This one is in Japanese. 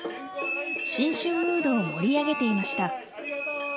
新春ムードを盛り上げていました。